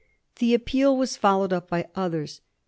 The appeal was followed up by others.